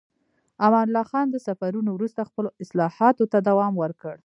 امان الله خان د سفرونو وروسته خپلو اصلاحاتو ته دوام ورکړ.